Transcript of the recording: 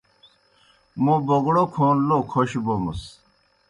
موْ بَوْگڑَو کھون لو کھوش بومَس۔